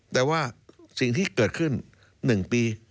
แต่ว่าสิ่งที่เกิดขึ้น๑ปี